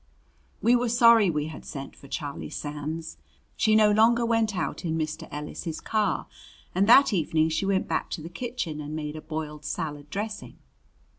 We were sorry we had sent for Charlie Sands. She no longer went out in Mr. Ellis's car, and that evening she went back to the kitchen and made a boiled salad dressing.